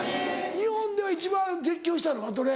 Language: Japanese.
日本では一番絶叫したのはどれ？